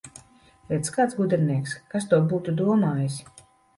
Redz, kāds gudrinieks! Kas to būtu domājis!